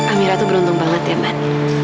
amira tuh beruntung banget ya man